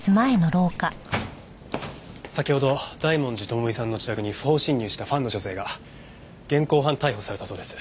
先ほど大文字智美さんの自宅に不法侵入したファンの女性が現行犯逮捕されたそうです。